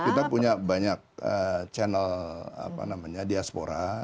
kita punya banyak channel diaspora